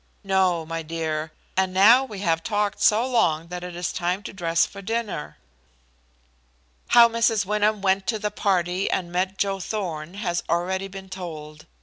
"No, my dear. And now we have talked so long that it is time to dress for dinner." How Mrs. Wyndham went to the party and met Joe Thorn has already been told.